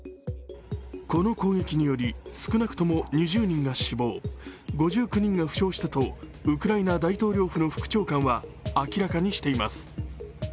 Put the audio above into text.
この攻撃により、少なくとも２０人が死亡、５９人が負傷したとウクライナ大統領府の副長官は明らかにしています。